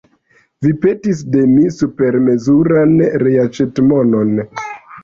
Vi petis de mi supermezuran reaĉetmonon.